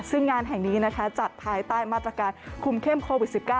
ซึ่งงานแห่งนี้นะคะจัดภายใต้มาตรการคุมเข้มโควิด๑๙